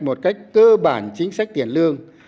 một cách cơ bản chính sách tiền lương